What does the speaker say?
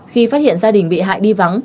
khi phát hiện gia đình bị hại đi vắng